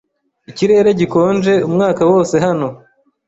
Ikirere gikonje umwaka wose hano.